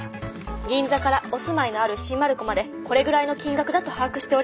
銀座からお住まいのある新丸子までこれぐらいの金額だと把握しております。